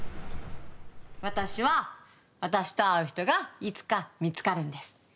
私は私とあう人がいつか見つかるんです。